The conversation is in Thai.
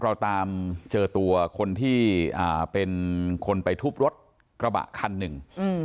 เราตามเจอตัวคนที่อ่าเป็นคนไปทุบรถกระบะคันหนึ่งอืม